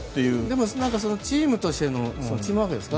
でもチームとしてのチームワークですか。